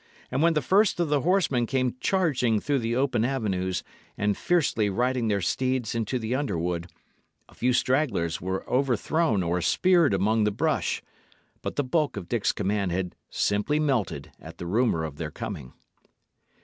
And when the first of the horsemen came charging through the open avenues and fiercely riding their steeds into the underwood, a few stragglers were overthrown or speared among the brush, but the bulk of Dick's command had simply melted at the rumour of their coming.